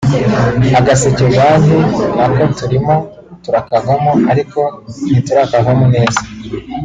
Agaseke Banki nako turimo turakavamo ariko ntiturakavamo neza